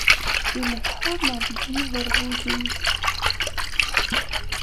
Di lebḥuṛ neɣ deg yiderbuzen.